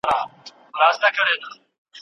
اقتصاد د تورم او نرخونو بدلون تحلیلوي.